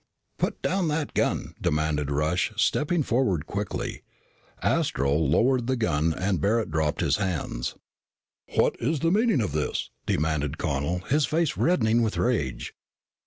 "Put down that gun," demanded Rush, stepping forward quickly. Astro lowered the gun and Barret dropped his hands. "What's the meaning of this?" demanded Connel, his face reddening with rage.